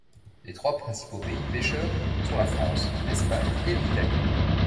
Les trois principaux pays pêcheurs sont la France, l'Espagne et l'Italie.